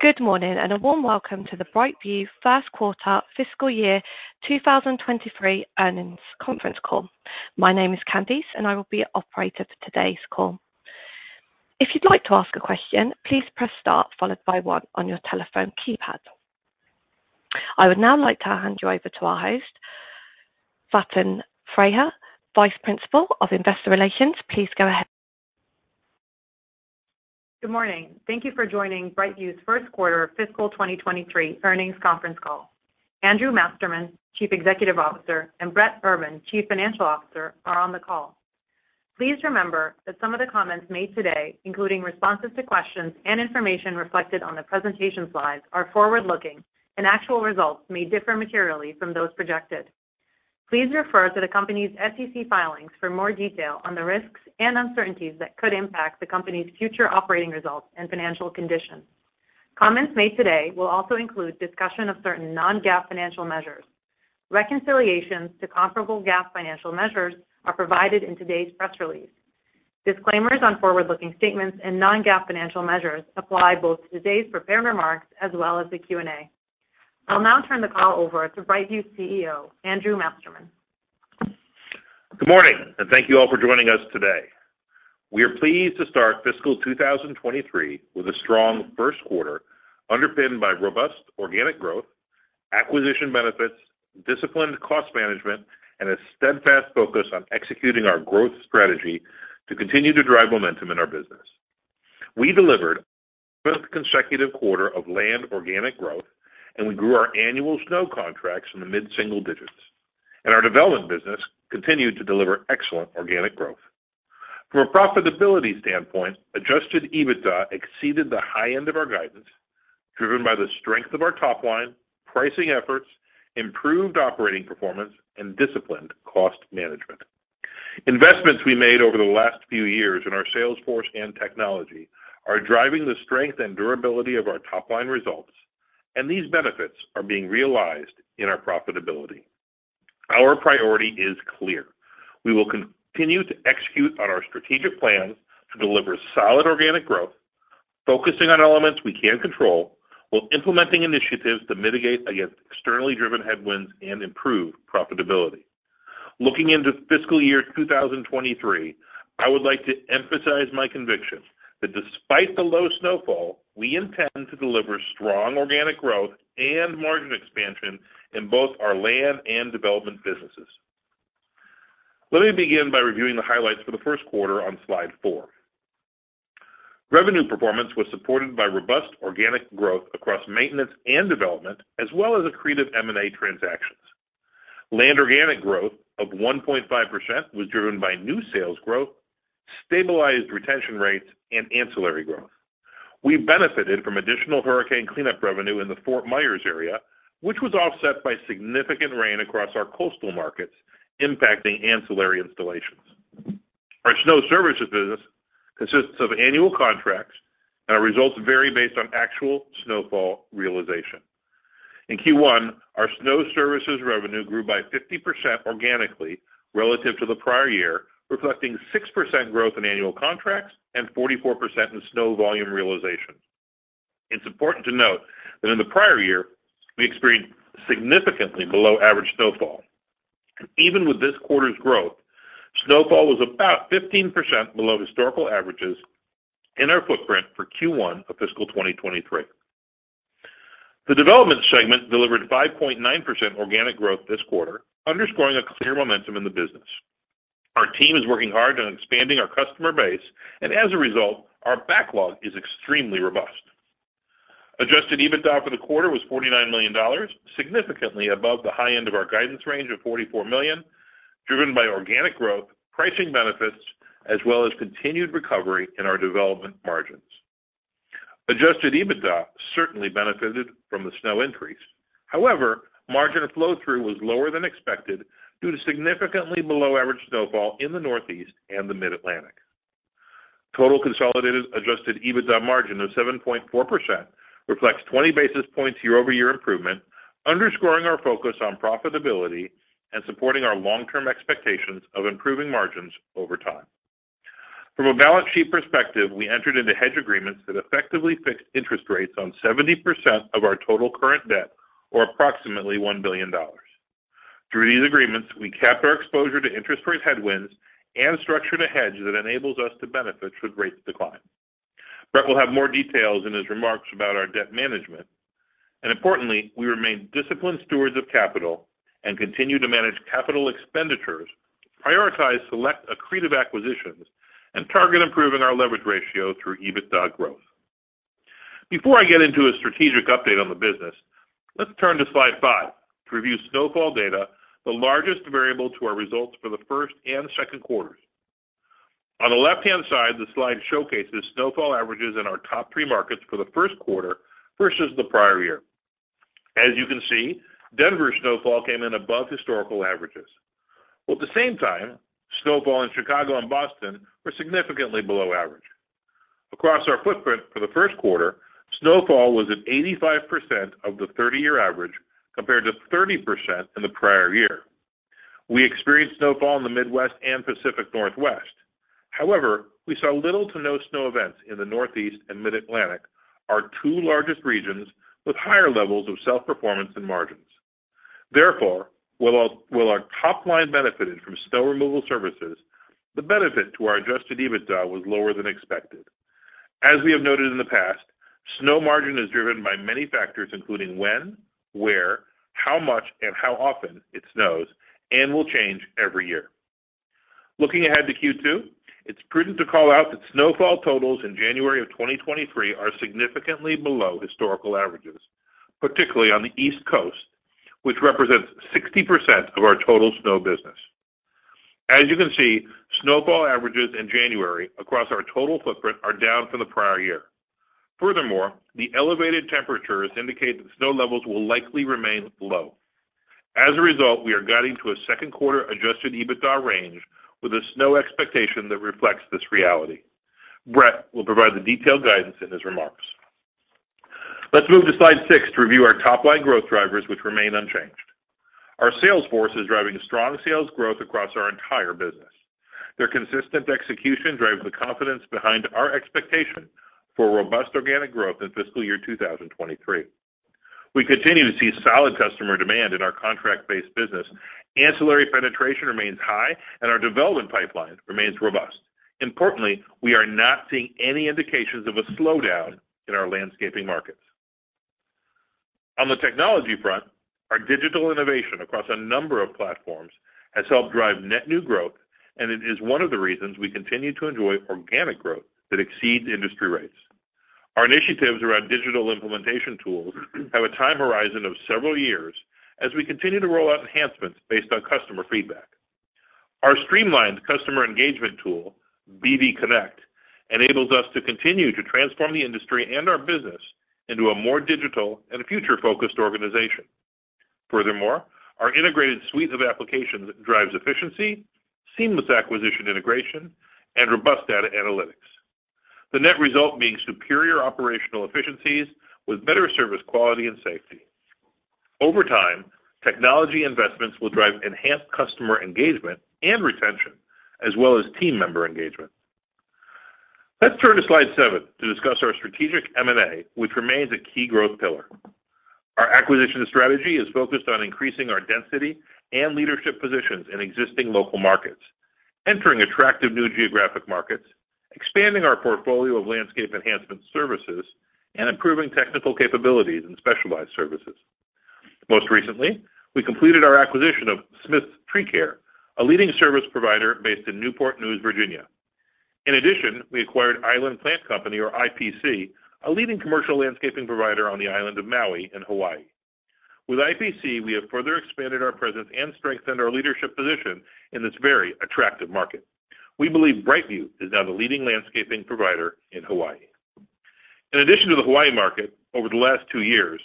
Good morning, a warm welcome to the BrightView First Quarter Fiscal Year 2023 Earnings Conference Call. My name is Candice, and I will be your operator for today's call. If you'd like to ask a question, please press star followed by one on your telephone keypad. I would now like to hand you over to our host, Faten Freiha, Vice President of Investor Relations. Please go ahead. Good morning. Thank you for joining BrightView's first quarter fiscal 2023 earnings conference call. Andrew Masterman, Chief Executive Officer, and Brett Urban, Chief Financial Officer, are on the call. Please remember that some of the comments made today, including responses to questions and information reflected on the presentation slides, are forward-looking, and actual results may differ materially from those projected. Please refer to the company's SEC filings for more detail on the risks and uncertainties that could impact the company's future operating results and financial conditions. Comments made today will also include discussion of certain non-GAAP financial measures. Reconciliations to comparable GAAP financial measures are provided in today's press release. Disclaimers on forward-looking statements and non-GAAP financial measures apply both to today's prepared remarks as well as the Q&A. I'll now turn the call over to BrightView's CEO, Andrew Masterman. Good morning, thank you all for joining us today. We are pleased to start fiscal 2023 with a strong first quarter underpinned by robust organic growth, acquisition benefits, disciplined cost management, and a steadfast focus on executing our growth strategy to continue to drive momentum in our business. We delivered a fifth consecutive quarter of Land organic growth, we grew our annual snow contracts in the mid-single digits. Our Development business continued to deliver excellent organic growth. From a profitability standpoint, Adjusted EBITDA exceeded the high end of our guidance, driven by the strength of our top line, pricing efforts, improved operating performance, and disciplined cost management. Investments we made over the last few years in our sales force and technology are driving the strength and durability of our top-line results, and these benefits are being realized in our profitability. Our priority is clear. We will continue to execute on our strategic plans to deliver solid organic growth, focusing on elements we can control while implementing initiatives to mitigate against externally driven headwinds and improve profitability. Looking into fiscal year 2023, I would like to emphasize my conviction that despite the low snowfall, we intend to deliver strong organic growth and margin expansion in both our Land and Development businesses. Let me begin by reviewing the highlights for the first quarter on slide four. Revenue performance was supported by robust organic growth across Maintenance and Development, as well as accretive M&A transactions. Land organic growth of 1.5% was driven by new sales growth, stabilized retention rates, and Ancillary growth. We benefited from additional hurricane cleanup revenue in the Fort Myers area, which was offset by significant rain across our coastal markets, impacting Ancillary installations. Our Snow Services business consists of annual contracts, and our results vary based on actual snowfall realization. In Q1, our Snow Services revenue grew by 50% organically relative to the prior year, reflecting 6% growth in annual contracts and 44% in snow volume realization. It's important to note that in the prior year, we experienced significantly below average snowfall. Even with this quarter's growth, snowfall was about 15% below historical averages in our footprint for Q1 of fiscal 2023. The Development segment delivered 5.9% organic growth this quarter, underscoring a clear momentum in the business. Our team is working hard on expanding our customer base, and as a result, our backlog is extremely robust. Adjusted EBITDA for the quarter was $49 million, significantly above the high end of our guidance range of $44 million, driven by organic growth, pricing benefits, as well as continued recovery in our Development margins. Adjusted EBITDA certainly benefited from the snow increase. However, margin flow-through was lower than expected due to significantly below average snowfall in the Northeast and the Mid-Atlantic. Total consolidated Adjusted EBITDA margin of 7.4% reflects 20 basis points year-over-year improvement, underscoring our focus on profitability and supporting our long-term expectations of improving margins over time. From a balance sheet perspective, we entered into hedge agreements that effectively fixed interest rates on 70% of our total current debt or approximately $1 billion. Through these agreements, we capped our exposure to interest rate headwinds and structured a hedge that enables us to benefit should rates decline. Brett will have more details in his remarks about our debt management. Importantly, we remain disciplined stewards of capital and continue to manage capital expenditures, prioritize select accretive acquisitions, and target improving our leverage ratio through EBITDA growth. Before I get into a strategic update on the business, let's turn to slide five to review snowfall data, the largest variable to our results for the first and second quarters. On the left-hand side, the slide showcases snowfall averages in our top three markets for the first quarter versus the prior year. As you can see, Denver snowfall came in above historical averages. While at the same time, snowfall in Chicago and Boston were significantly below average. Across our footprint for the first quarter, snowfall was at 85% of the 30-year average compared to 30% in the prior year. We experienced snowfall in the Midwest and Pacific Northwest. We saw little to no snow events in the Northeast and Mid-Atlantic, our two largest regions with higher levels of self-performance and margins. While our top line benefited from Snow Removal services, the benefit to our Adjusted EBITDA was lower than expected. We have noted in the past, Snow margin is driven by many factors including when, where, how much, and how often it snows, and will change every year. Looking ahead to Q2, it's prudent to call out that snowfall totals in January of 2023 are significantly below historical averages, particularly on the East Coast, which represents 60% of our total Snow business. As you can see, snowfall averages in January across our total footprint are down from the prior year. The elevated temperatures indicate that snow levels will likely remain low. As a result, we are guiding to a second quarter Adjusted EBITDA range with a snow expectation that reflects this reality. Brett will provide the detailed guidance in his remarks. Let's move to slide six to review our top-line growth drivers, which remain unchanged. Our sales force is driving strong sales growth across our entire business. Their consistent execution drives the confidence behind our expectation for robust organic growth in fiscal year 2023. We continue to see solid customer demand in our contract-based business. Ancillary penetration remains high, and our Development pipeline remains robust. Importantly, we are not seeing any indications of a slowdown in our Landscaping markets. On the technology front, our digital innovation across a number of platforms has helped drive net new growth, and it is one of the reasons we continue to enjoy organic growth that exceeds industry rates. Our initiatives around digital implementation tools have a time horizon of several years as we continue to roll out enhancements based on customer feedback. Our streamlined customer engagement tool, BD Connect, enables us to continue to transform the industry and our business into a more digital and future-focused organization. Furthermore, our integrated suite of applications drives efficiency, seamless acquisition integration, and robust data analytics. The net result being superior operational efficiencies with better service quality and safety. Over time, technology investments will drive enhanced customer engagement and retention, as well as team member engagement. Let's turn to slide seven to discuss our strategic M&A, which remains a key growth pillar. Our acquisition strategy is focused on increasing our density and leadership positions in existing local markets, entering attractive new geographic markets, expanding our portfolio of landscape enhancement services, and improving technical capabilities and specialized services. Most recently, we completed our acquisition of Smith's Tree Care, a leading service provider based in Newport News, Virginia. In addition, we acquired Island Plant Company, or IPC, a leading commercial landscaping provider on the island of Maui in Hawaii. With IPC, we have further expanded our presence and strengthened our leadership position in this very attractive market. We believe BrightView is now the leading landscaping provider in Hawaii. In addition to the Hawaii market, over the last two years,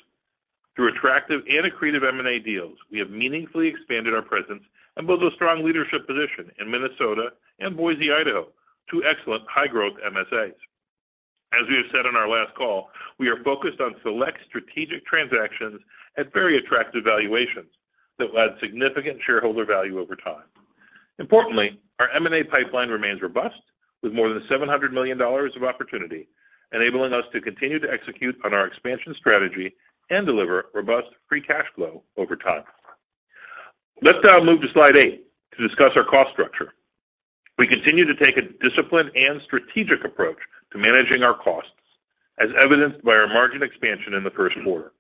through attractive and accretive M&A deals, we have meaningfully expanded our presence and built a strong leadership position in Minnesota and Boise, Idaho, two excellent high-growth MSAs. As we have said on our last call, we are focused on select strategic transactions at very attractive valuations that will add significant shareholder value over time. Importantly, our M&A pipeline remains robust with more than $700 million of opportunity, enabling us to continue to execute on our expansion strategy and deliver robust free cash flow over time. Let's now move to slide eight to discuss our cost structure. We continue to take a disciplined and strategic approach to managing our costs, as evidenced by our margin expansion in the first quarter.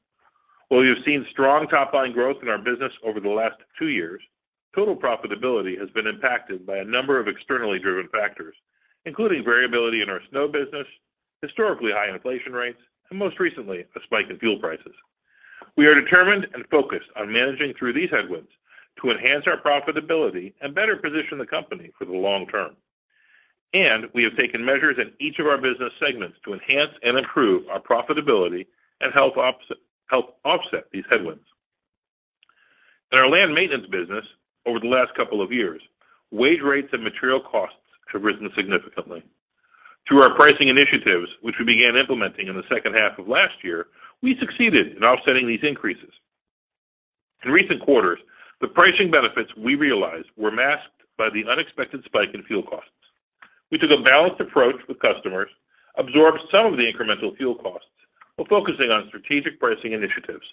While you've seen strong top-line growth in our business over the last two years, total profitability has been impacted by a number of externally driven factors, including variability in our Snow business, historically high inflation rates, and most recently, a spike in fuel prices. We are determined and focused on managing through these headwinds to enhance our profitability and better position the company for the long term. We have taken measures in each of our business segments to enhance and improve our profitability and help offset these headwinds. In our Land Maintenance business, over the last couple of years, wage rates and material costs have risen significantly. Through our pricing initiatives, which we began implementing in the second half of last year, we succeeded in offsetting these increases. In recent quarters, the pricing benefits we realized were masked by the unexpected spike in fuel costs. We took a balanced approach with customers, absorbed some of the incremental fuel costs while focusing on strategic pricing initiatives,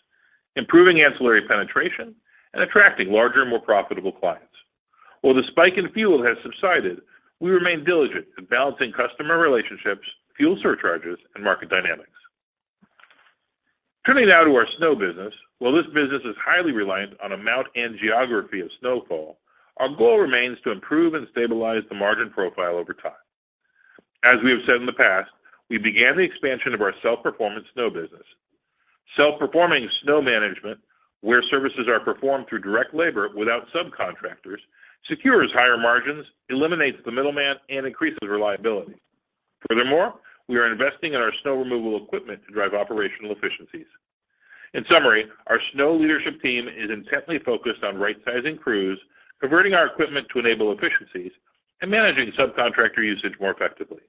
improving Ancillary penetration, and attracting larger and more profitable clients. While the spike in fuel has subsided, we remain diligent in balancing customer relationships, fuel surcharges, and market dynamics. Turning now to our Snow business. While this business is highly reliant on amount and geography of snowfall, our goal remains to improve and stabilize the margin profile over time. As we have said in the past, we began the expansion of our self-performance Snow business. Self-performing snow management, where services are performed through direct labor without subcontractors, secures higher margins, eliminates the middleman, and increases reliability. We are investing in our snow removal equipment to drive operational efficiencies. In summary, our snow leadership team is intently focused on right-sizing crews, converting our equipment to enable efficiencies, and managing subcontractor usage more effectively.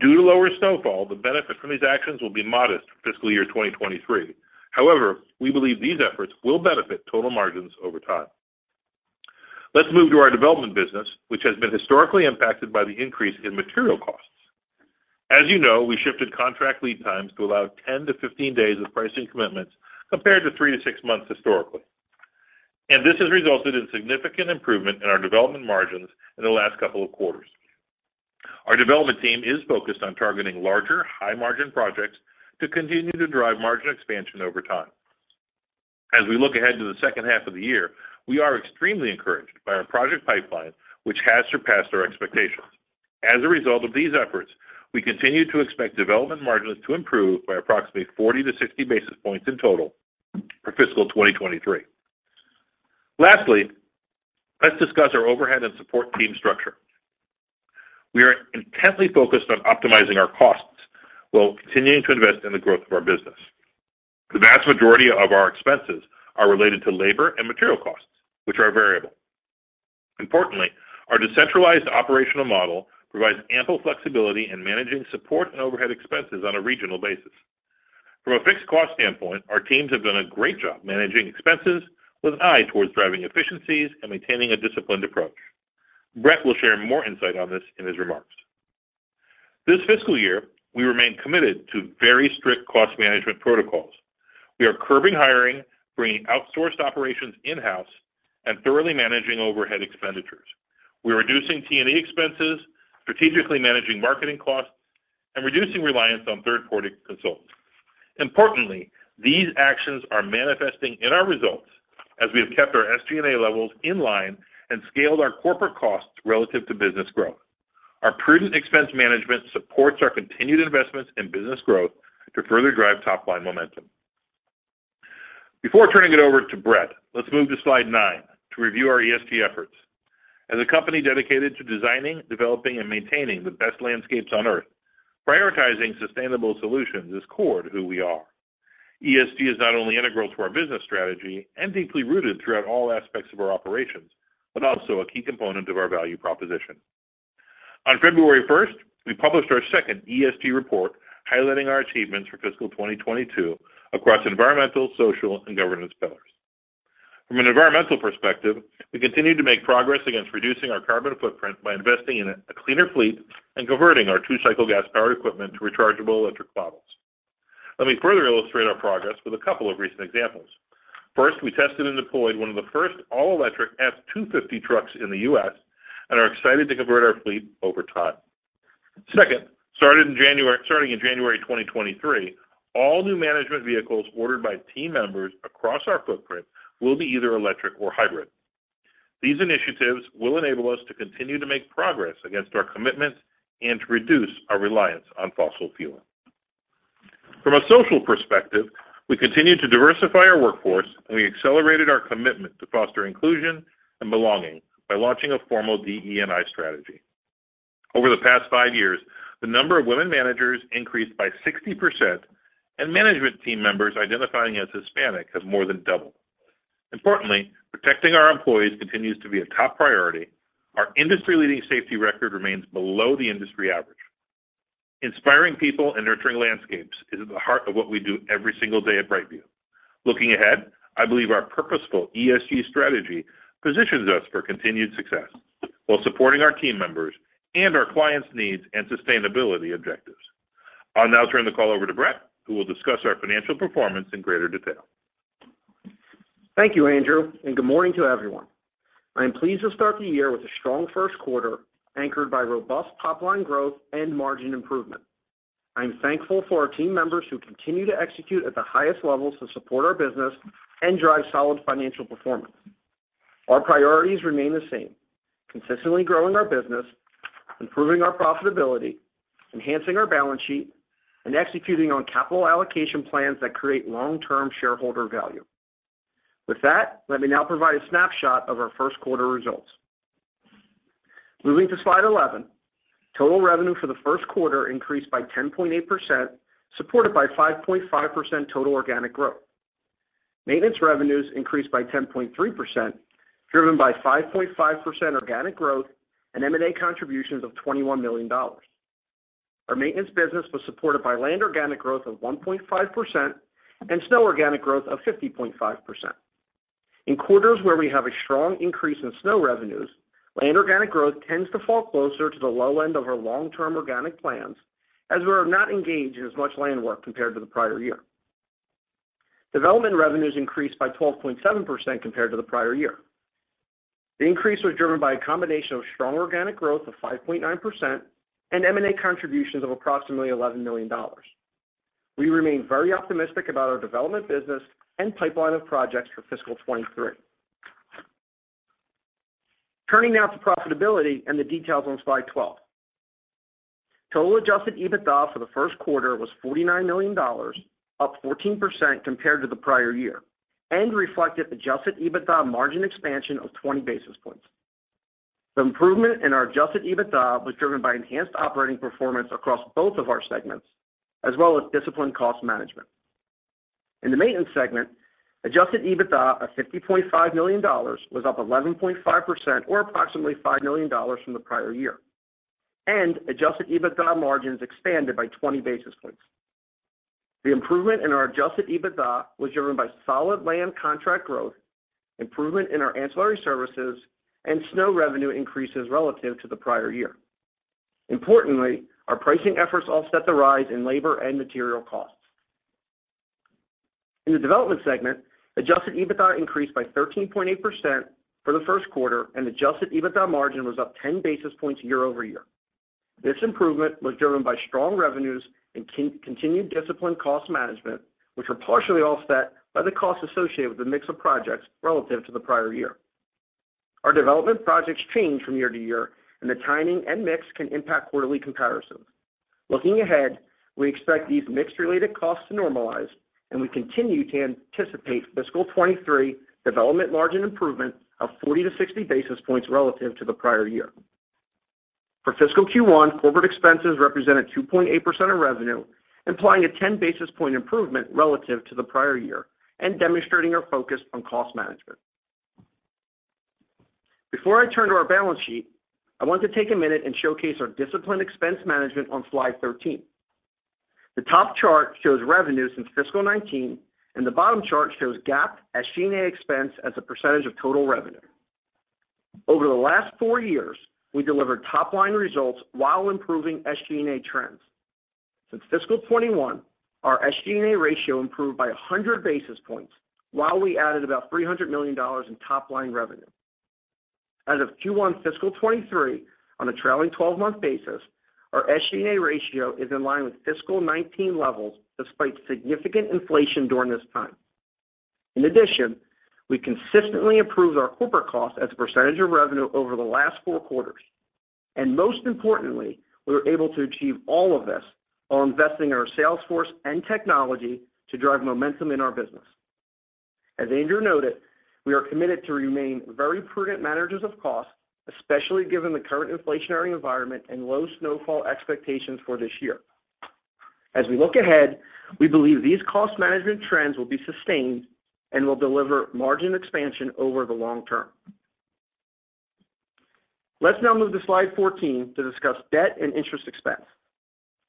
Due to lower snowfall, the benefit from these actions will be modest for fiscal year 2023. We believe these efforts will benefit total margins over time. Let's move to our Development business, which has been historically impacted by the increase in material costs. As you know, we shifted contract lead times to allow 10-15 days of pricing commitments compared to 3-6 months historically. This has resulted in significant improvement in our Development margins in the last couple of quarters. Our Development team is focused on targeting larger, high-margin projects to continue to drive margin expansion over time. As we look ahead to the second half of the year, we are extremely encouraged by our project pipeline, which has surpassed our expectations. As a result of these efforts, we continue to expect Development margins to improve by approximately 40-60 basis points in total for fiscal 2023. Lastly, let's discuss our overhead and support team structure. We are intently focused on optimizing our costs while continuing to invest in the growth of our business. The vast majority of our expenses are related to labor and material costs, which are variable. Importantly, our decentralized operational model provides ample flexibility in managing support and overhead expenses on a regional basis. From a fixed cost standpoint, our teams have done a great job managing expenses with an eye towards driving efficiencies and maintaining a disciplined approach. Brett will share more insight on this in his remarks. This fiscal year, we remain committed to very strict cost management protocols. We are curbing hiring, bringing outsourced operations in-house, and thoroughly managing overhead expenditures. We're reducing T&E expenses, strategically managing marketing costs, and reducing reliance on third-party consultants. Importantly, these actions are manifesting in our results as we have kept our SG&A levels in line and scaled our corporate costs relative to business growth. Our prudent expense management supports our continued investments in business growth to further drive top-line momentum. Before turning it over to Brett, let's move to slide nine to review our ESG efforts. As a company dedicated to designing, developing, and maintaining the best landscapes on Earth, prioritizing sustainable solutions is core to who we are. ESG is not only integral to our business strategy and deeply rooted throughout all aspects of our operations, but also a key component of our value proposition. On February 1st, we published our second ESG report highlighting our achievements for fiscal 2022 across environmental, social, and governance pillars. From an environmental perspective, we continue to make progress against reducing our carbon footprint by investing in a cleaner fleet and converting our two-cycle gas-powered equipment to rechargeable electric models. Let me further illustrate our progress with a couple of recent examples. First, we tested and deployed one of the first all-electric F-250 trucks in the U.S. and are excited to convert our fleet over time. Second, starting in January 2023, all new management vehicles ordered by team members across our footprint will be either electric or hybrid. These initiatives will enable us to continue to make progress against our commitment and to reduce our reliance on fossil fuel. From a social perspective, we continue to diversify our workforce. We accelerated our commitment to foster inclusion and belonging by launching a formal DE&I strategy. Over the past five years, the number of women managers increased by 60%. Management team members identifying as Hispanic have more than doubled. Importantly, protecting our employees continues to be a top priority. Our industry-leading safety record remains below the industry average. Inspiring people and nurturing landscapes is at the heart of what we do every single day at BrightView. Looking ahead, I believe our purposeful ESG strategy positions us for continued success while supporting our team members and our clients' needs and sustainability objectives. I'll now turn the call over to Brett, who will discuss our financial performance in greater detail. Thank you, Andrew, and good morning to everyone. I am pleased to start the year with a strong first quarter anchored by robust top-line growth and margin improvement. I'm thankful for our team members who continue to execute at the highest levels to support our business and drive solid financial performance. Our priorities remain the same: consistently growing our business, improving our profitability, enhancing our balance sheet, and executing on capital allocation plans that create long-term shareholder value. With that, let me now provide a snapshot of our first quarter results. Moving to slide 11. Total revenue for the first quarter increased by 10.8%, supported by 5.5% total organic growth. Maintenance revenues increased by 10.3%, driven by 5.5% organic growth and M&A contributions of $21 million. Our Maintenance business was supported by Land organic growth of 1.5% and Snow organic growth of 50.5%. In quarters where we have a strong increase in Snow revenues, Land organic growth tends to fall closer to the low end of our long-term organic plans as we are not engaged in as much land work compared to the prior year. Development revenues increased by 12.7% compared to the prior year. The increase was driven by a combination of strong organic growth of 5.9% and M&A contributions of approximately $11 million. We remain very optimistic about our Development business and pipeline of projects for fiscal 2023. Turning now to profitability and the details on slide 12. Total Adjusted EBITDA for the first quarter was $49 million, up 14% compared to the prior year, reflected Adjusted EBITDA margin expansion of 20 basis points. The improvement in our Adjusted EBITDA was driven by enhanced operating performance across both of our segments, as well as disciplined cost management. In the Maintenance segment, Adjusted EBITDA of $50.5 million was up 11.5% or approximately $5 million from the prior year, Adjusted EBITDA margins expanded by 20 basis points. The improvement in our Adjusted EBITDA was driven by solid land contract growth, improvement in our Ancillary Services, and Snow revenue increases relative to the prior year. Importantly, our pricing efforts offset the rise in labor and material costs. In the Development segment, Adjusted EBITDA increased by 13.8% for the first quarter, and Adjusted EBITDA margin was up 10 basis points year-over-year. This improvement was driven by strong revenues and continued disciplined cost management, which were partially offset by the costs associated with the mix of projects relative to the prior year. Our Development projects change from year to year and the timing and mix can impact quarterly comparisons. Looking ahead, we expect these mix-related costs to normalize and we continue to anticipate fiscal 2023 Development margin improvement of 40-60 basis points relative to the prior year. For fiscal Q1, corporate expenses represented 2.8% of revenue, implying a 10 basis point improvement relative to the prior year and demonstrating our focus on cost management. Before I turn to our balance sheet, I want to take a minute and showcase our disciplined expense management on slide 13. The top chart shows revenues since fiscal 2019, and the bottom chart shows GAAP SG&A expense as a percentage of total revenue. Over the last four years, we delivered top-line results while improving SG&A trends. Since fiscal 2021, our SG&A ratio improved by 100 basis points while we added about $300 million in top line revenue. As of Q1 fiscal 2023 on a trailing 12-month basis, our SG&A ratio is in line with fiscal 2019 levels despite significant inflation during this time. In addition, we consistently improved our corporate cost as a percentage of revenue over the last four quarters. Most importantly, we were able to achieve all of this while investing in our sales force and technology to drive momentum in our business. As Andrew noted, we are committed to remain very prudent managers of cost, especially given the current inflationary environment and low snowfall expectations for this year. As we look ahead, we believe these cost management trends will be sustained and will deliver margin expansion over the long term. Let's now move to slide 14 to discuss debt and interest expense.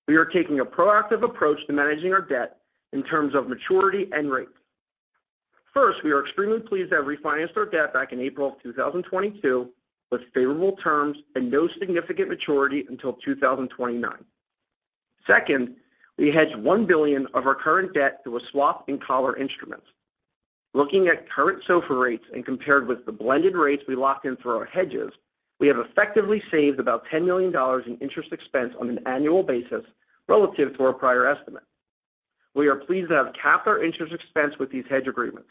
We are taking a proactive approach to managing our debt in terms of maturity and rates. First, we are extremely pleased to have refinanced our debt back in April of 2022 with favorable terms and no significant maturity until 2029. Second, we hedged $1 billion of our current debt through a swap in collar instruments. Looking at current SOFR rates and compared with the blended rates we locked in through our hedges, we have effectively saved about $10 million in interest expense on an annual basis relative to our prior estimate. We are pleased to have capped our interest expense with these hedge agreements.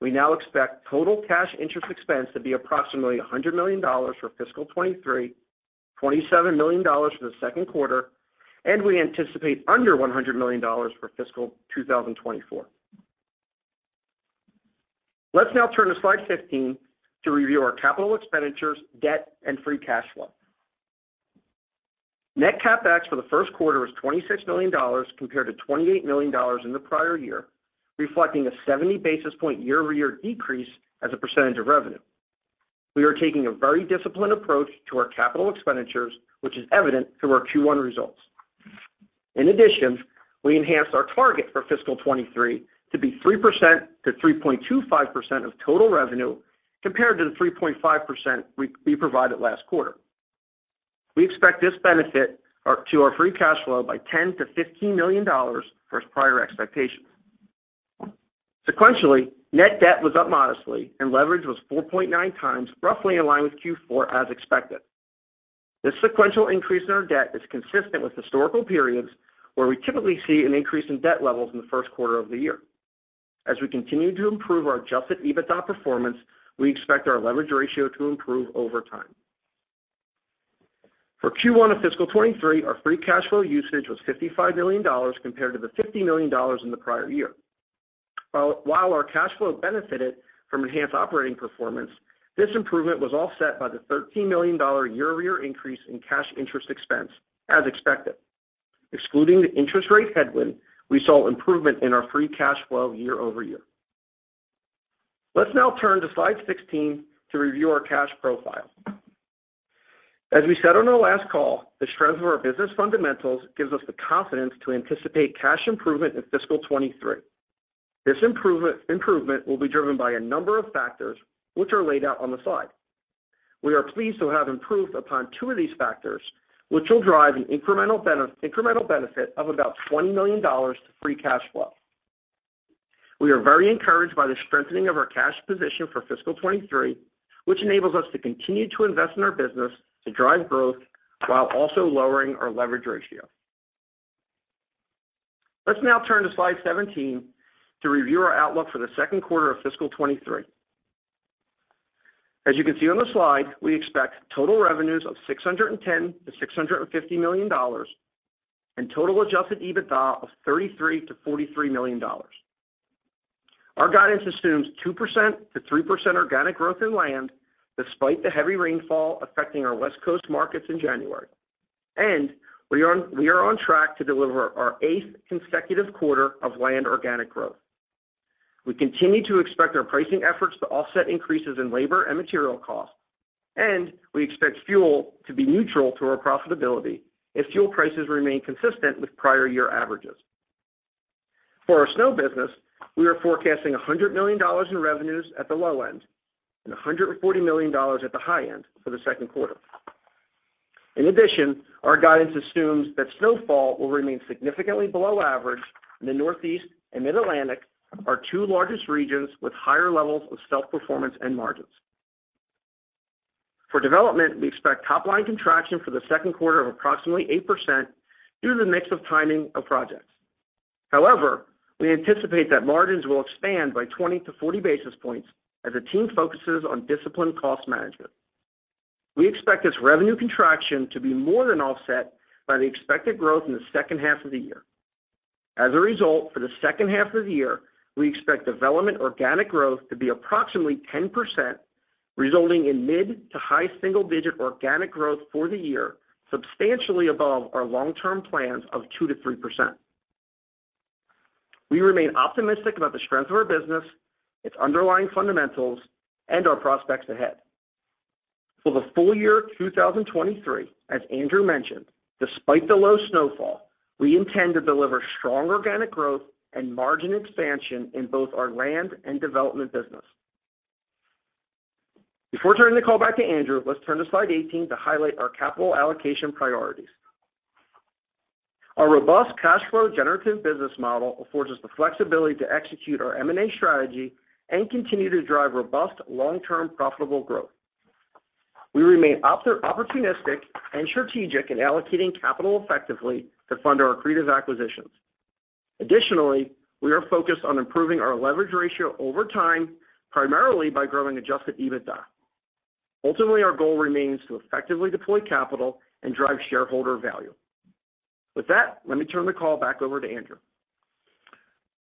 We now expect total cash interest expense to be approximately $100 million for fiscal 2023, $27 million for the second quarter, and we anticipate under $100 million for fiscal 2024. Let's now turn to slide 15 to review our capital expenditures, debt, and free cash flow. Net CapEx for the first quarter was $26 million, compared to $28 million in the prior year, reflecting a 70 basis point year-over-year decrease as a percentage of revenue. We are taking a very disciplined approach to our capital expenditures, which is evident through our Q1 results. In addition, we enhanced our target for fiscal 2023 to be 3%-3.25% of total revenue compared to the 3.5% we provided last quarter. We expect this benefit to our free cash flow by $10 million-$15 million versus prior expectations. Sequentially, net debt was up modestly and leverage was 4.9 times, roughly in line with Q4 as expected. This sequential increase in our debt is consistent with historical periods where we typically see an increase in debt levels in the first quarter of the year. As we continue to improve our Adjusted EBITDA performance, we expect our leverage ratio to improve over time. For Q1 of fiscal 2023, our free cash flow usage was $55 million compared to the $50 million in the prior year. While our cash flow benefited from enhanced operating performance, this improvement was offset by the $13 million year-over-year increase in cash interest expense as expected. Excluding the interest rate headwind, we saw improvement in our free cash flow year-over-year. Let's now turn to slide 16 to review our cash profile. As we said on our last call, the trends of our business fundamentals gives us the confidence to anticipate cash improvement in fiscal 2023. This improvement will be driven by a number of factors which are laid out on the slide. We are pleased to have improved upon two of these factors, which will drive an incremental benefit of about $20 million to free cash flow. We are very encouraged by the strengthening of our cash position for fiscal 2023, which enables us to continue to invest in our business to drive growth while also lowering our leverage ratio. Let's now turn to slide 17 to review our outlook for the second quarter of fiscal 2023. As you can see on the slide, we expect total revenues of $610 million-$650 million and total Adjusted EBITDA of $33 million-$43 million. Our guidance assumes 2%-3% organic growth in Land despite the heavy rainfall affecting our West Coast markets in January. We are on track to deliver our eighth consecutive quarter of Land organic growth. We continue to expect our pricing efforts to offset increases in labor and material costs. We expect fuel to be neutral to our profitability if fuel prices remain consistent with prior year averages. For our Snow business, we are forecasting $100 million in revenues at the low end and $140 million at the high end for the second quarter. In addition, our guidance assumes that snowfall will remain significantly below average in the Northeast and Mid-Atlantic, our two largest regions with higher levels of Snow performance and margins. For Development, we expect top line contraction for the second quarter of approximately 8% due to the mix of timing of projects. However, we anticipate that margins will expand by 20-40 basis points as the team focuses on disciplined cost management. We expect this revenue contraction to be more than offset by the expected growth in the second half of the year. For the second half of the year, we expect Development organic growth to be approximately 10%, resulting in mid to high single-digit organic growth for the year, substantially above our long-term plans of 2%-3%. We remain optimistic about the strength of our business, its underlying fundamentals, and our prospects ahead. For the full year 2023, as Andrew mentioned, despite the low snowfall, we intend to deliver strong organic growth and margin expansion in both our Land and Development business. Before turning the call back to Andrew, let's turn to slide 18 to highlight our capital allocation priorities. Our robust cash flow generative business model affords us the flexibility to execute our M&A strategy and continue to drive robust long-term profitable growth. We remain opportunistic and strategic in allocating capital effectively to fund our accretive acquisitions. Additionally, we are focused on improving our leverage ratio over time, primarily by growing Adjusted EBITDA. Ultimately, our goal remains to effectively deploy capital and drive shareholder value. With that, let me turn the call back over to Andrew.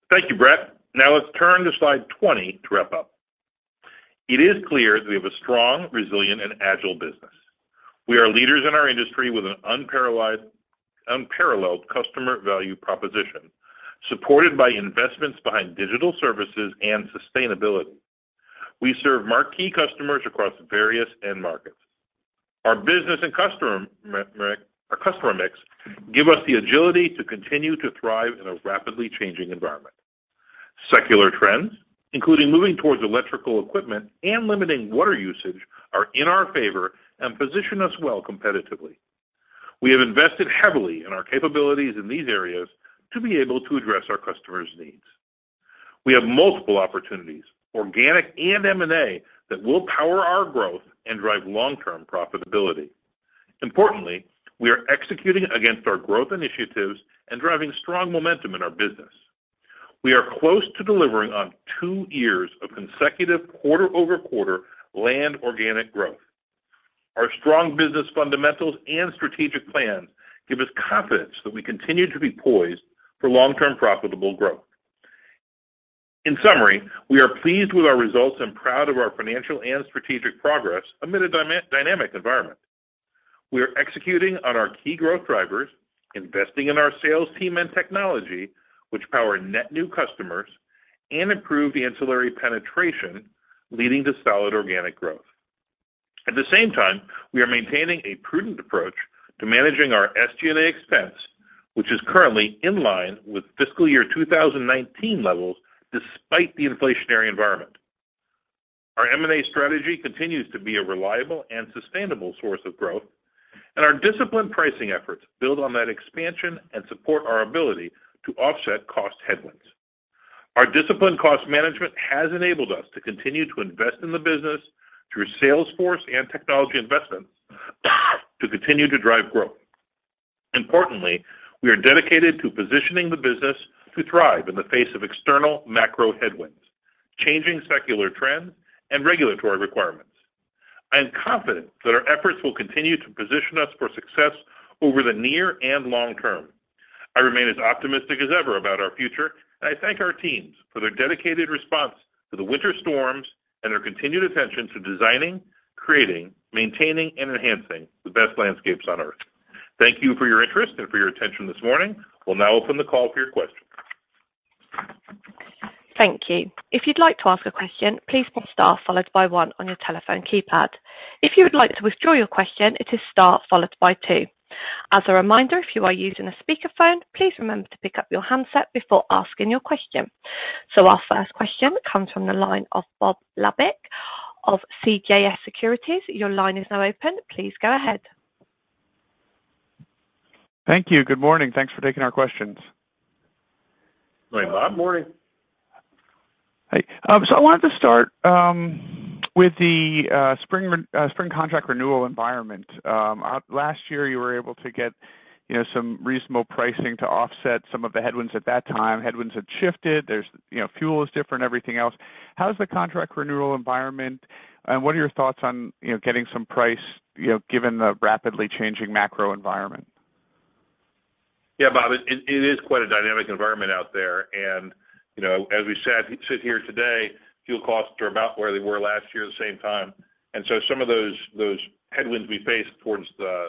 Thank you, Brett. Let's turn to slide 20 to wrap up. It is clear that we have a strong, resilient, and agile business. We are leaders in our industry with an unparalleled customer value proposition, supported by investments behind digital services and sustainability. We serve marquee customers across various end markets. Our business and our customer mix give us the agility to continue to thrive in a rapidly changing environment. Secular trends, including moving towards electrical equipment and limiting water usage, are in our favor and position us well competitively. We have invested heavily in our capabilities in these areas to be able to address our customers' needs. We have multiple opportunities, organic and M&A, that will power our growth and drive long-term profitability. Importantly, we are executing against our growth initiatives and driving strong momentum in our business. We are close to delivering on two years of consecutive quarter-over-quarter organic growth. Our strong business fundamentals and strategic plans give us confidence that we continue to be poised for long-term profitable growth. In summary, we are pleased with our results and proud of our financial and strategic progress amid a dynamic environment. We are executing on our key growth drivers, investing in our sales team and technology, which power net new customers and improve the Ancillary penetration leading to solid organic growth. At the same time, we are maintaining a prudent approach to managing our SG&A expense, which is currently in line with fiscal year 2019 levels despite the inflationary environment. Our M&A strategy continues to be a reliable and sustainable source of growth, and our disciplined pricing efforts build on that expansion and support our ability to offset cost headwinds. Our disciplined cost management has enabled us to continue to invest in the business through sales force and technology investments to continue to drive growth. Importantly, we are dedicated to positioning the business to thrive in the face of external macro headwinds, changing secular trends and regulatory requirements. I am confident that our efforts will continue to position us for success over the near and long term. I remain as optimistic as ever about our future, and I thank our teams for their dedicated response to the winter storms and their continued attention to designing, creating, maintaining, and enhancing the best landscapes on Earth. Thank you for your interest and for your attention this morning. We'll now open the call for your questions. Thank you. If you'd like to ask a question, please press star followed by one on your telephone keypad. If you would like to withdraw your question, it is star followed by two. As a reminder, if you are using a speakerphone, please remember to pick up your handset before asking your question. Our first question comes from the line of Bob Labick of CJS Securities. Your line is now open. Please go ahead. Thank you. Good morning. Thanks for taking our questions. Good morning, Bob. Hey, I wanted to start with the spring contract renewal environment. Last year, you were able to get, you know, some reasonable pricing to offset some of the headwinds at that time. Headwinds have shifted. There's, you know, fuel is different, everything else. How's the contract renewal environment, and what are your thoughts on, you know, getting some price, you know, given the rapidly changing macro environment? Bob, it is quite a dynamic environment out there. you know, as we sit here today, fuel costs are about where they were last year the same time. So some of those headwinds we faced towards the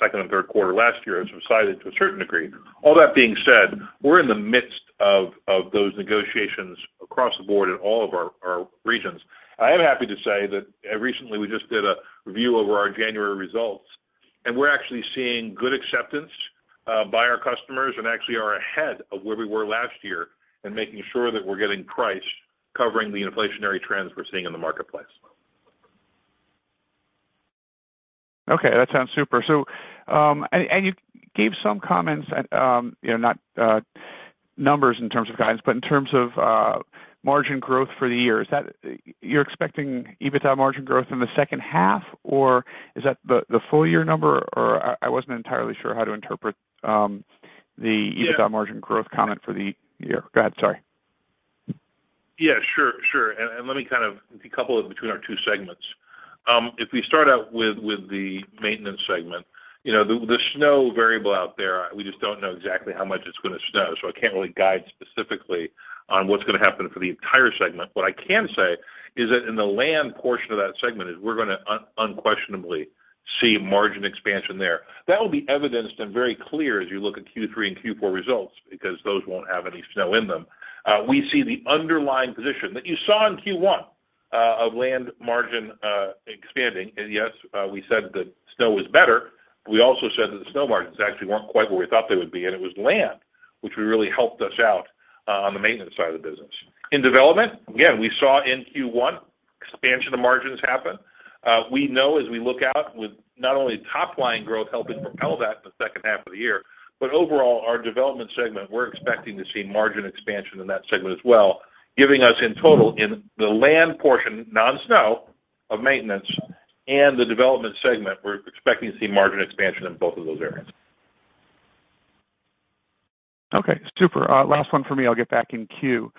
second and third quarter last year have subsided to a certain degree. All that being said, we're in the midst of those negotiations across the board in all of our regions. I am happy to say that recently we just did a review over our January results, and we're actually seeing good acceptance by our customers and actually are ahead of where we were last year in making sure that we're getting price covering the inflationary trends we're seeing in the marketplace. Okay, that sounds super. You gave some comments at, you know, not numbers in terms of guidance, but in terms of margin growth for the year. You're expecting EBITDA margin growth in the second half or is that the full-year number? I wasn't entirely sure how to interpret- Yeah ...the EBITDA margin growth comment for the year. Go ahead, sorry. Yeah, sure. Let me kind of a couple between our two segments. If we start out with the Maintenance segment, you know, the snow variable out there, we just don't know exactly how much it's gonna snow, so I can't really guide specifically on what's gonna happen for the entire segment. What I can say is that in the Land portion of that segment is we're gonna unquestionably see margin expansion there. That will be evidenced and very clear as you look at Q3 and Q4 results because those won't have any snow in them. We see the underlying position that you saw in Q1 of Land margin expanding. Yes, we said that Snow was better, but we also said that the Snow margins actually weren't quite where we thought they would be, and it was Land which we really helped us out on the Maintenance side of the business. In development, again, we saw in Q1 expansion of margins happen. We know as we look out with not only top line growth helping propel that in the second half of the year, but overall, our Development segment, we're expecting to see margin expansion in that segment as well, giving us in total in the Land portion, non-snow, of Maintenance and the Development segment, we're expecting to see margin expansion in both of those areas. Okay, super. Last one for me, I'll get back in queue.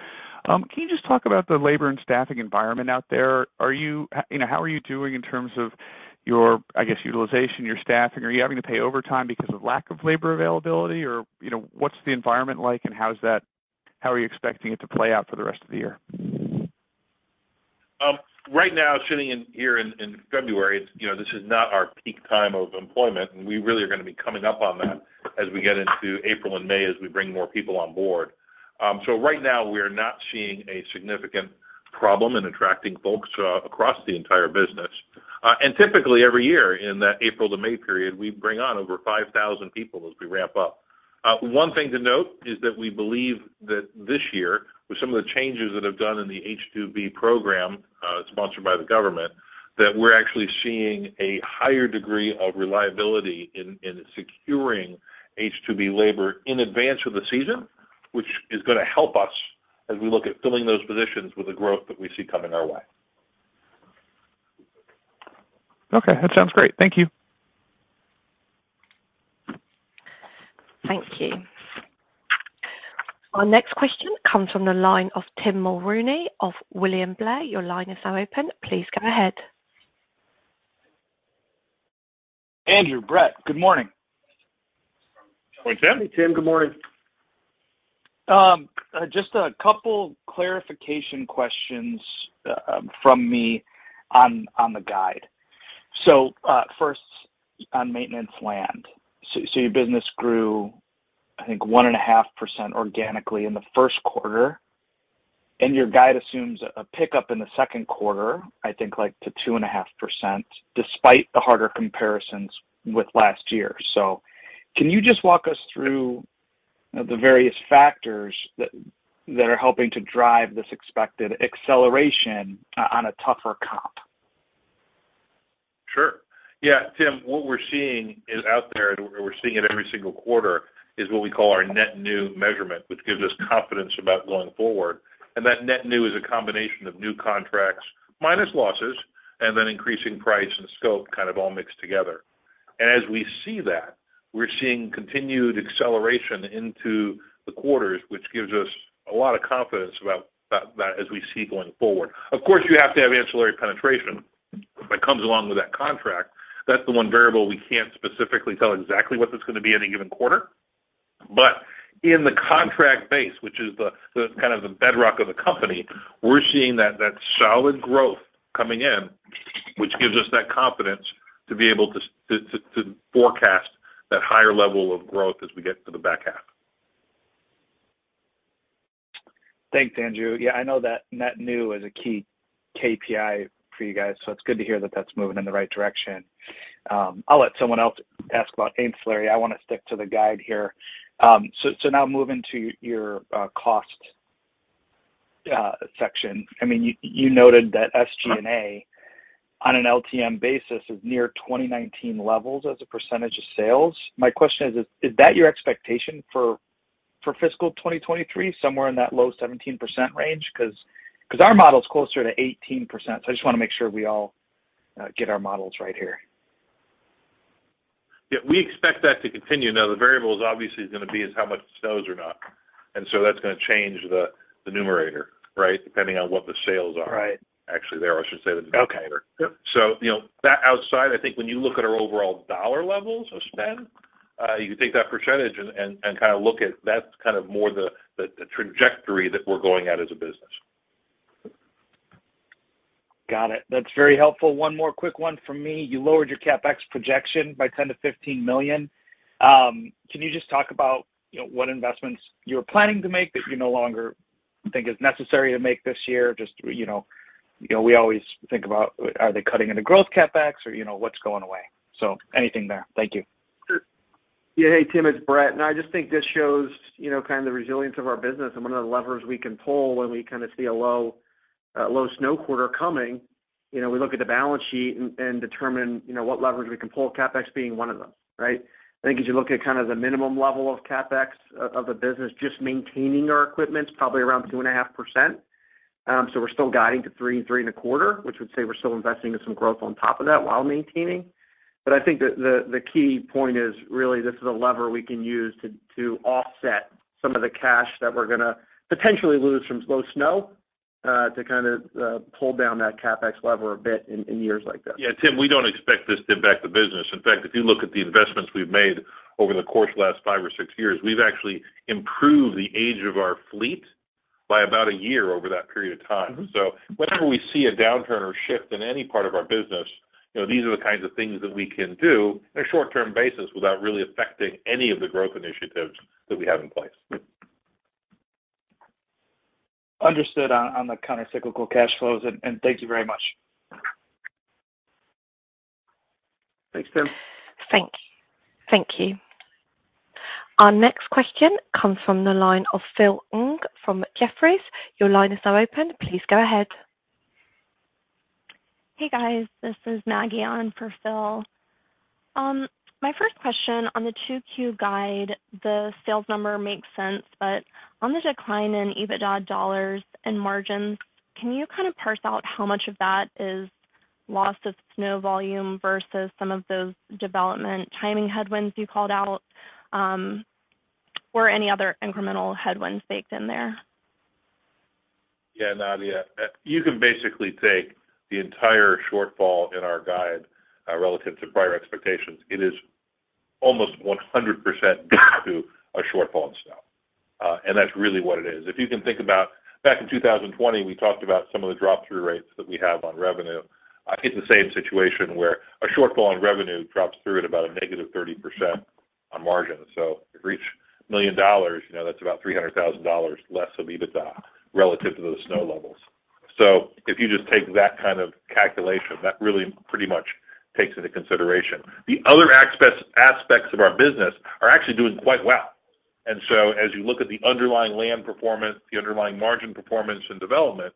Can you just talk about the labor and staffing environment out there? You know, how are you doing in terms of your, I guess, utilization, your staffing? Are you having to pay overtime because of lack of labor availability or, you know, what's the environment like and how are you expecting it to play out for the rest of the year? Right now, sitting in here in February, you know, this is not our peak time of employment, and we really are gonna be coming up on that as we get into April and May as we bring more people on board. Right now we are not seeing a significant problem in attracting folks across the entire business. Typically every year in that April to May period, we bring on over 5,000 people as we ramp up. One thing to note is that we believe that this year, with some of the changes that have done in the H-2B program, sponsored by the government, that we're actually seeing a higher degree of reliability in securing H-2B labor in advance of the season, which is gonna help us as we look at filling those positions with the growth that we see coming our way. Okay, that sounds great. Thank you. Thank you. Our next question comes from the line of Tim Mulrooney of William Blair. Your line is now open. Please go ahead. Andrew, Brett, good morning. Morning, Tim. Hey, Tim. Good morning. Just a couple clarification questions from me on the guide. First on Maintenance land. Your business grew, I think, 1.5% organically in the first quarter, and your guide assumes a pickup in the second quarter, I think like to 2.5%, despite the harder comparisons with last year. Can you just walk us through, you know, the various factors that are helping to drive this expected acceleration on a tougher comp? Sure. Yeah, Tim, what we're seeing is out there, and we're seeing it every single quarter, is what we call our net new measurement, which gives us confidence about going forward. That net new is a combination of new contracts minus losses and then increasing price and scope kind of all mixed together. As we see that, we're seeing continued acceleration into the quarters, which gives us a lot of confidence about that as we see going forward. Of course, you have to have Ancillary penetration that comes along with that contract. That's the one variable we can't specifically tell exactly what that's gonna be any given quarter. In the contract base, which is the kind of the bedrock of the company, we're seeing that solid growth coming in, which gives us that confidence to be able to forecast that higher level of growth as we get to the back half. Thanks, Andrew. Yeah, I know that net new is a key KPI for you guys, so it's good to hear that that's moving in the right direction. I'll let someone else ask about Ancillary. I wanna stick to the guide here. Now moving to your cost section. I mean, you noted that SG&A on an LTM basis is near 2019 levels as a percentage of sales. My question is that your expectation for fiscal 2023, somewhere in that low 17% range? 'Cause our model is closer to 18%. I just wanna make sure we all get our models right here. Yeah, we expect that to continue. Now the variable is obviously gonna be how much it snows or not. That's gonna change the numerator, right? Depending on what the sales are. Right. Actually, there, I should say the denominator. Okay. Yep. You know, that outside, I think when you look at our overall dollar levels of spend, you can take that percentage and kinda look at that's kind of more the trajectory that we're going at as a business. Got it. That's very helpful. One more quick one from me. You lowered your CapEx projection by $10 million-$15 million. Can you just talk about, you know, what investments you're planning to make that you no longer think is necessary to make this year? Just, you know, we always think about are they cutting into growth CapEx or, you know, what's going away? Anything there. Thank you. Sure. Yeah. Hey, Tim, it's Brett. I just think this shows, you know, kind of the resilience of our business and one of the levers we can pull when we kinda see a low, low snow quarter coming. You know, we look at the balance sheet and determine, you know, what levers we can pull, CapEx being one of them, right? I think as you look at kind of the minimum level of CapEx of the business, just maintaining our equipment is probably around 2.5%. So we're still guiding to 3%-3.25%, which would say we're still investing in some growth on top of that while maintaining. I think the key point is really this is a lever we can use to offset some of the cash that we're gonna potentially lose from low snow, to kinda pull down that CapEx lever a bit in years like this. Yeah, Tim, we don't expect this to impact the business. In fact, if you look at the investments we've made over the course of the last five or six years, we've actually improved the age of our fleet by about a year over that period of time. Mm-hmm. Whenever we see a downturn or shift in any part of our business, you know, these are the kinds of things that we can do on a short-term basis without really affecting any of the growth initiatives that we have in place. Understood on the counter-cyclical cash flows. Thank you very much. Thanks, Tim. Thank you. Our next question comes from the line of Philip Ng from Jefferies. Your line is now open. Please go ahead. Hey, guys. This is Maggie on for Phil. My first question on the 2Q guide, the sales number makes sense, but on the decline in EBITDA dollars and margins, can you kinda parse out how much of that is loss of Snow volume versus some of those Development timing headwinds you called out, or any other incremental headwinds baked in there? Yeah, Maggie, you can basically take the entire shortfall in our guide, relative to prior expectations. It is almost 100% due to a shortfall in snow. That's really what it is. If you can think about back in 2020, we talked about some of the drop-through rates that we have on revenue. It's the same situation where a shortfall in revenue drops through at about a negative 30% on margin. For each $1 million, you know, that's about $300,000 less of EBITDA relative to those Snow levels. If you just take that kind of calculation, that really pretty much takes into consideration. The other aspects of our business are actually doing quite well. As you look at the underlying Land performance, the underlying margin performance and Development,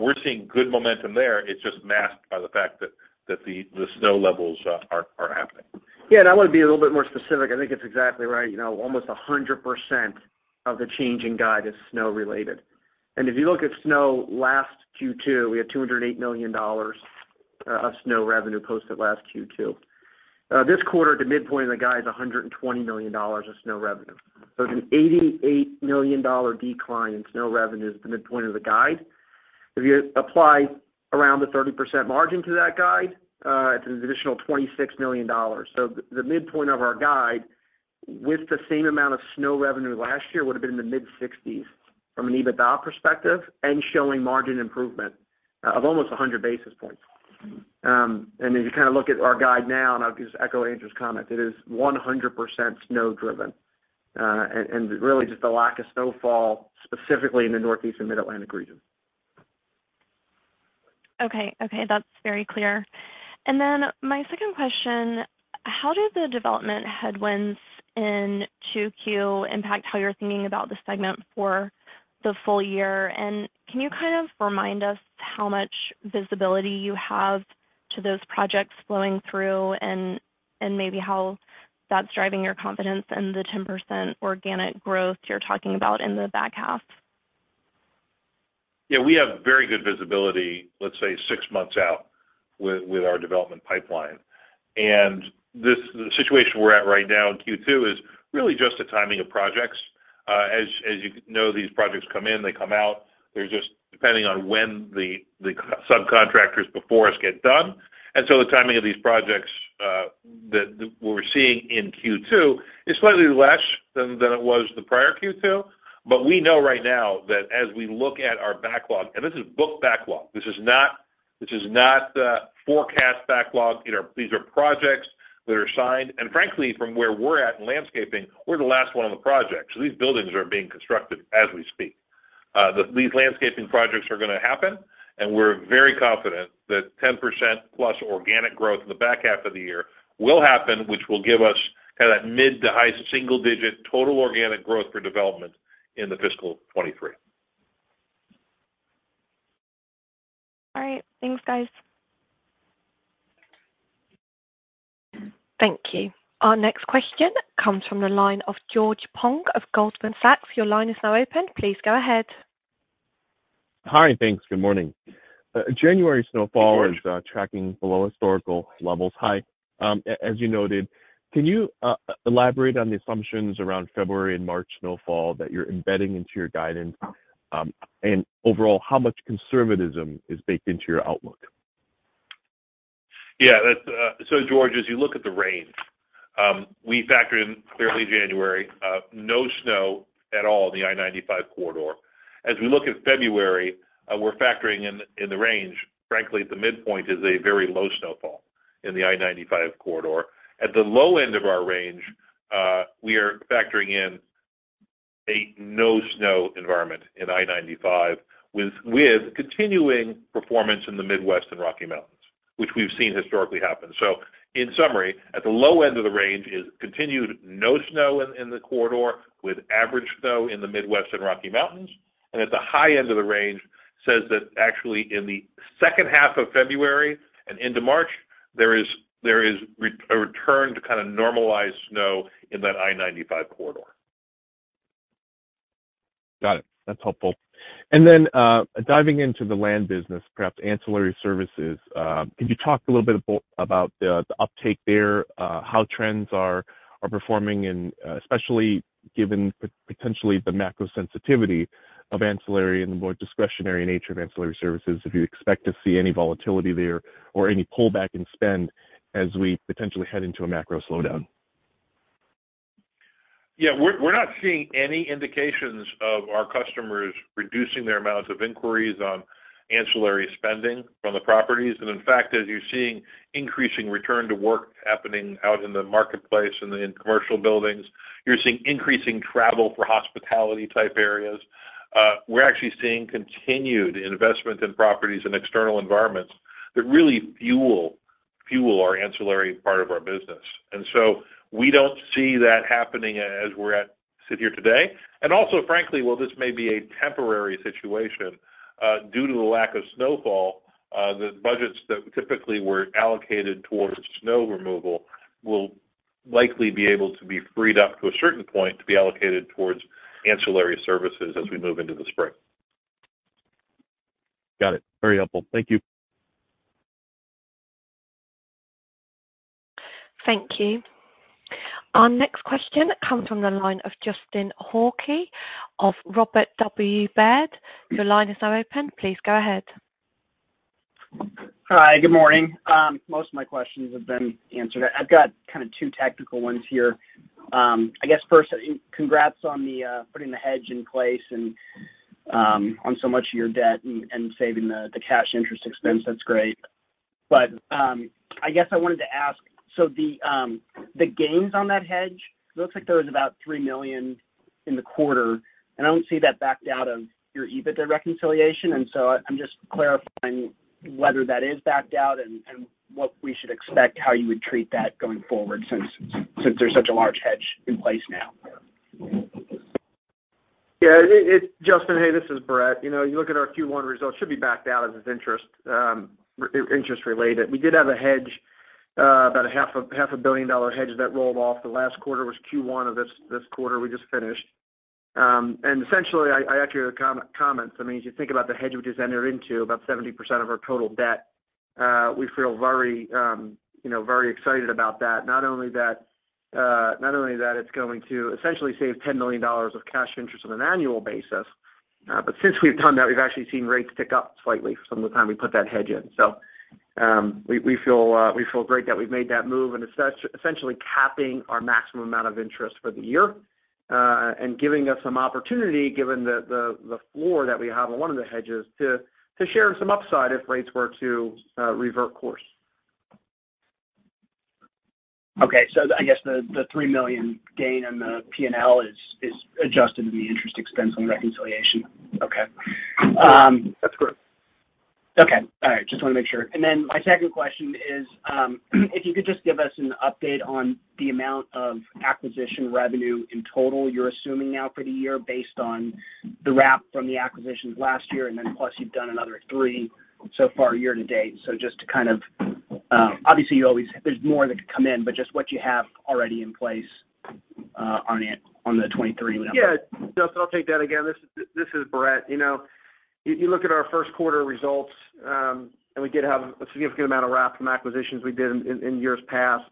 we're seeing good momentum there. It's just masked by the fact that the Snow levels are happening. I want to be a little bit more specific. I think it's exactly right. You know, almost 100% of the change in guide is Snow-related. If you look at Snow last Q2, we had $208 million of Snow revenue posted last Q2. This quarter, the midpoint of the guide is $120 million of Snow revenue. It's an $88 million decline in Snow revenue is the midpoint of the guide. If you apply around the 30% margin to that guide, it's an additional $26 million. The midpoint of our guide with the same amount of Snow revenue last year would have been in the mid-60s from an EBITDA perspective and showing margin improvement of almost 100 basis points. If you kinda look at our guide now, and I'll just echo Andrew's comment, it is 100% Snow-driven, and really just the lack of snowfall specifically in the Northeast and Mid-Atlantic region. Okay. Okay, that's very clear. My second question, how do the Development headwinds in 2Q impact how you're thinking about the segment for the full year? Can you kind of remind us how much visibility you have to those projects flowing through and maybe how that's driving your confidence in the 10% organic growth you're talking about in the back half? Yeah, we have very good visibility, let's say six months out with our Development pipeline. The situation we're at right now in Q2 is really just the timing of projects. As you know, these projects come in, they come out. They're just depending on when the subcontractors before us get done. The timing of these projects that we're seeing in Q2 is slightly less than it was the prior Q2. We know right now that as we look at our backlog, and this is book backlog, this is not the forecast backlog. You know, these are projects that are signed. Frankly, from where we're at in landscaping, we're the last one on the project. These buildings are being constructed as we speak. These landscaping projects are gonna happen. We're very confident that 10% plus organic growth in the back half of the year will happen, which will give us kinda that mid to high single digit total organic growth for Development in the fiscal 2023. All right. Thanks, guys. Thank you. Our next question comes from the line of George Tong of Goldman Sachs. Your line is now open. Please go ahead. Hi. Thanks. Good morning. January snowfall is- George ...tracking below historical levels. Hi. As you noted, can you elaborate on the assumptions around February and March snowfall that you're embedding into your guidance? Overall, how much conservatism is baked into your outlook? Yeah, that's. George, as you look at the range, we factor in early January, no snow at all in the I-95 corridor. We look at February, we're factoring in the range. Frankly, at the midpoint is a very low snowfall in the I-95 corridor. At the low end of our range, we are factoring in a no-snow environment in I-95 with continuing performance in the Midwest and Rocky Mountains, which we've seen historically happen. In summary, at the low end of the range is continued no snow in the corridor with average snow in the Midwest and Rocky Mountains. At the high end of the range says that actually in the second half of February and into March, there is a return to kind of normalized snow in that I-95 corridor. Got it. That's helpful. Diving into the Land business, perhaps Ancillary Services, can you talk a little bit about the uptake there, how trends are performing and especially given potentially the macro sensitivity of Ancillary and the more discretionary nature of Ancillary Services, if you expect to see any volatility there or any pullback in spend as we potentially head into a macro slowdown? We're not seeing any indications of our customers reducing their amounts of inquiries on Ancillary spending from the properties. In fact, as you're seeing increasing return to work happening out in the marketplace and in commercial buildings, you're seeing increasing travel for hospitality type areas. We're actually seeing continued investment in properties and external environments that really fuel our Ancillary part of our business. We don't see that happening as we sit here today. Also, frankly, while this may be a temporary situation, due to the lack of snowfall, the budgets that typically were allocated towards Snow Removal will likely be able to be freed up to a certain point to be allocated towards Ancillary Services as we move into the spring. Got it. Very helpful. Thank you. Thank you. Our next question comes from the line of Justin Hauke of Robert W. Baird & Co. Your line is now open. Please go ahead. Hi. Good morning. Most of my questions have been answered. I've got kind of two technical ones here. I guess first, congrats on the putting the hedge in place and on so much of your debt and saving the cash interest expense. That's great. I guess I wanted to ask, the gains on that hedge, looks like there was about $3 million in the quarter, and I don't see that backed out of your EBITDA reconciliation. I'm just clarifying whether that is backed out and what we should expect, how you would treat that going forward since there's such a large hedge in place now. Yeah. Justin, hey, this is Brett. You know, you look at our Q1 results, should be backed out as it's interest related. We did have a hedge, about a half a billion dollar hedge that rolled off the last quarter. It was Q1 of this quarter we just finished. Essentially, I actually comment, I mean, as you think about the hedge we just entered into, about 70% of our total debt, we feel very, you know, very excited about that. Not only that, it's going to essentially save $10 million of cash interest on an annual basis, but since we've done that, we've actually seen rates tick up slightly from the time we put that hedge in. We feel great that we've made that move and it's essentially capping our maximum amount of interest for the year, and giving us some opportunity given the floor that we have on one of the hedges to share some upside if rates were to revert course. I guess the $3 million gain on the P&L is adjusted in the interest expense on the reconciliation. Yeah. Okay. That's correct. Okay. All right. Just wanna make sure. My second question is, if you could just give us an update on the amount of acquisition revenue in total you're assuming now for the year based on the wrap from the acquisitions last year, plus you've done another three so far year-to-date. Obviously, there's more that could come in, but just what you have already in place on it, on the 2023 number. Yeah. Justin, I'll take that again. This is Brett. You know, you look at our first quarter results, we did have a significant amount of wrap from acquisitions we did in years past.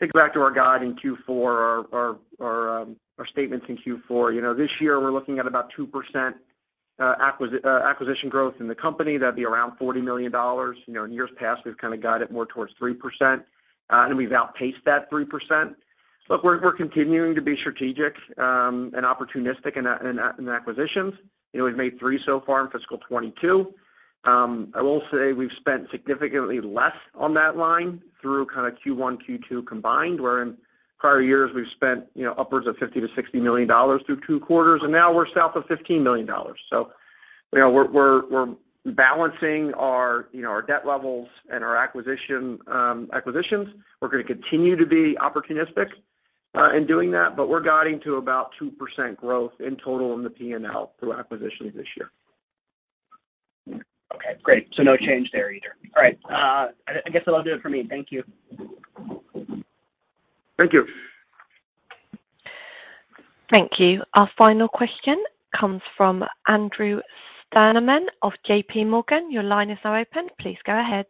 Think back to our guide in Q4, our statements in Q4. You know, this year we're looking at about 2% acquisition growth in the company. That'd be around $40 million. You know, in years past, we've kind of guided more towards 3%, and we've outpaced that 3%. Look, we're continuing to be strategic and opportunistic in acquisitions. You know, we've made three so far in fiscal 2022. I will say we've spent significantly less on that line through kind of Q1, Q2 combined, where in prior years we've spent, you know, upwards of $50 million-$60 million through two quarters, and now we're south of $15 million. You know, we're balancing our, you know, our debt levels and our acquisition acquisitions. We're gonna continue to be opportunistic in doing that, but we're guiding to about 2% growth in total in the P&L through acquisitions this year. Okay, great. No change there either. All right. I guess that'll do it for me. Thank you. Thank you. Thank you. Our final question comes from Andrew Steinerman of JPMorgan. Your line is now open. Please go ahead.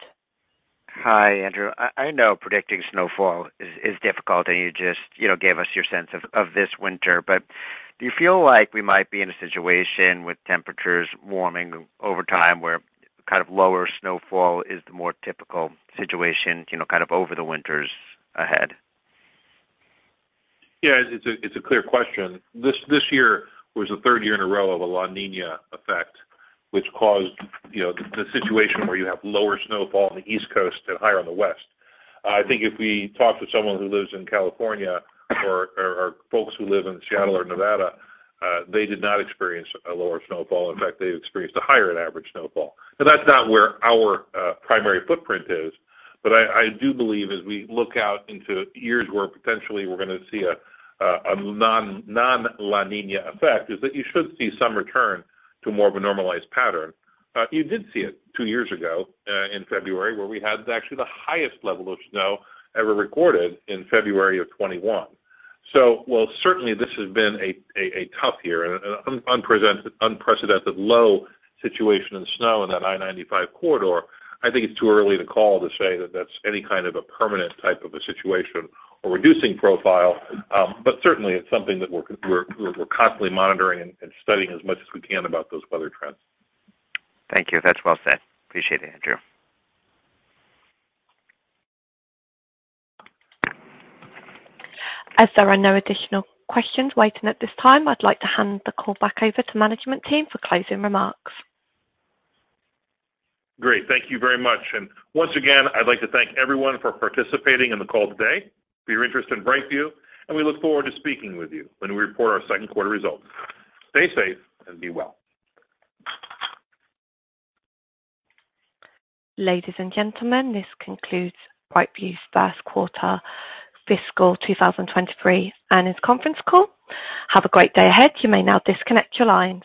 Hi, Andrew. I know predicting snowfall is difficult, and you just, you know, gave us your sense of this winter. Do you feel like we might be in a situation with temperatures warming over time where kind of lower snowfall is the more typical situation, you know, kind of over the winters ahead? Yeah, it's a clear question. This year was the third year in a row of a La Niña effect, which caused, you know, the situation where you have lower snowfall on the East Coast and higher on the West. I think if we talk to someone who lives in California or folks who live in Seattle or Nevada, they did not experience a lower snowfall. In fact, they experienced a higher than average snowfall. Now, that's not where our primary footprint is. I do believe as we look out into years where potentially we're gonna see a non La Niña effect is that you should see some return to more of a normalized pattern. You did see it two years ago in February, where we had actually the highest level of snow ever recorded in February of 2021. While certainly this has been a tough year and an unprecedented low situation in snow in that I-95 corridor, I think it's too early to call to say that that's any kind of a permanent type of a situation or reducing profile. Certainly it's something that we're constantly monitoring and studying as much as we can about those weather trends. Thank you. That's well said. Appreciate it, Andrew. As there are no additional questions waiting at this time, I'd like to hand the call back over to management team for closing remarks. Great. Thank you very much. Once again, I'd like to thank everyone for participating in the call today for your interest in BrightView, and we look forward to speaking with you when we report our second quarter results. Stay safe and be well. Ladies and gentlemen, this concludes BrightView's first quarter fiscal 2023 earnings conference call. Have a great day ahead. You may now disconnect your lines.